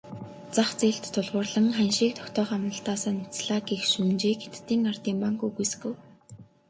Зах зээлд тулгуурлан ханшийг тогтоох амлалтаасаа няцлаа гэх шүүмжийг Хятадын ардын банк үгүйсгэв.